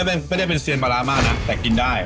ไม่ได้เป็นเซียนปลาร้ามากนะแต่กินได้